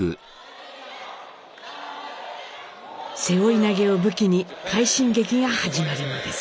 背負い投げを武器に快進撃が始まるのです。